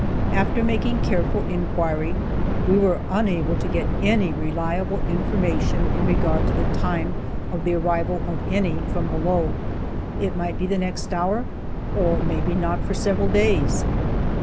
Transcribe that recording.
After making careful inquiry, we were unable to get any reliable information in regard to the time of the arrival of any from below, it might be the next hour, or maybe not for several days.